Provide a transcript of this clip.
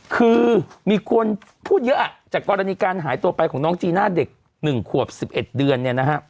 คือมีคนพูดเยอะจากกรณีการหายตัวไปของน้องจีน่าเด็ก๑ขวบ๑๑เดือนเนี่ยนะฮะ